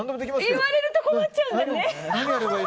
言われると困っちゃうんだよね！